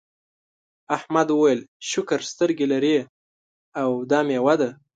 احمد وویل شکر سترګې لرې او دا میوه ده.